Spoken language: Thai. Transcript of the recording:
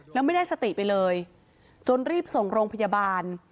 แล้วไม่ได้สติไปเลยจนรีบส่งโรงพยาบาล